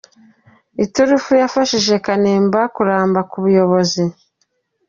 Iturufu yafashije Kanimba kuramba mu buyobozi.